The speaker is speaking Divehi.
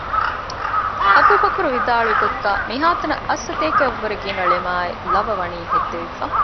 އަބޫބަކުރު ވިދާޅުވި ގޮތުގައި މިހާތަނަށް އަށްސަތޭކަ އަށް ވުރެ ގިނަ ޅެމާއި ލަވަ ވަނީ ހެއްދެވިފަ